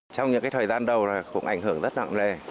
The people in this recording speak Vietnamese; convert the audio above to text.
trong những cái thời gian đầu là cũng ảnh hưởng rất nặng lề